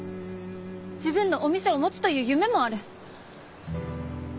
自分のお店を持つという夢もある。